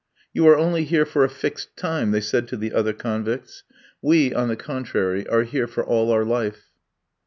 "You are only here for a fixed time," they said to the other convicts; "we, on the contrary, are here for all our life."